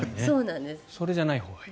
それじゃないほうがいい。